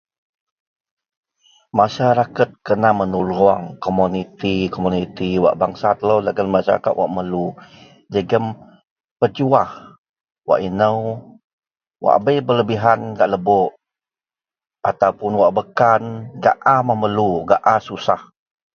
Masyarakat kena menulung kumaniti-kumaniti wak bansa telou dagen Masyarakat wak memerlu jegum pejuah wak inou wak bei belebihan gak lebok ataupun wak bekkan gak a memerlu a susah